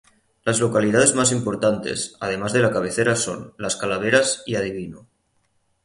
Las localidades más importantes, además de la cabecera son: Las Calaveras y Adivino.